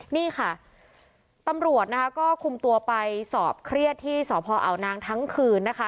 นี่ค่ะตำรวจนะคะก็คุมตัวไปสอบเครียดที่สพอาวนางทั้งคืนนะคะ